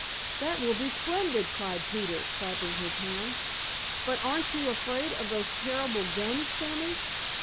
"That will be splendid!" cried Peter, clapping his hands. "But aren't you afraid of those terrible guns, Sammy?"